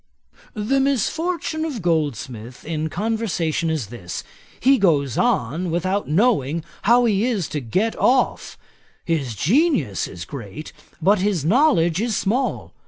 'The misfortune of Goldsmith in conversation is this: he goes on without knowing how he is to get off. His genius is great, but his knowledge is small.